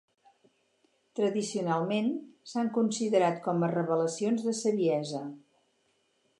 Tradicionalment s'han considerat com a revelacions de saviesa.